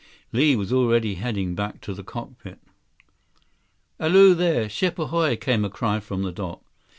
93 Li was already heading back to the cockpit. "Alloo there! Ship ahoy!" came a cry from the dock.